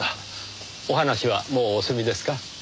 お話はもうお済みですか？